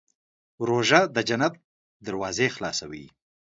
روژه د جنت دروازې خلاصوي.